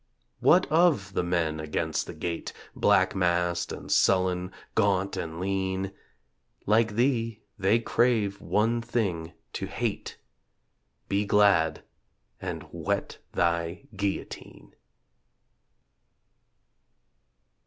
What of the Men against the gate, Black massed and sullen, gaunt and lean ... Like thee they crave one thing to hate. Be glad ... and whet thy guillotine!